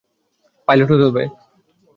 Pilot হতে হবে।